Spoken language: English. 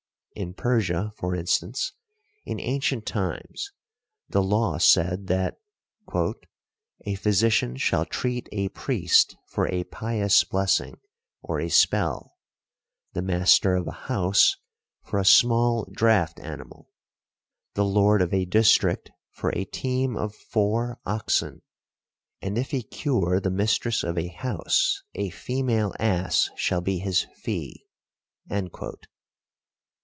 In Persia, for instance, in ancient times the law said that "a physician shall treat a priest for a pious blessing, or a spell; the master of a house for a small draught animal; the lord of a district for a team of four oxen; and if he cure the mistress of a house a female ass shall be his fee."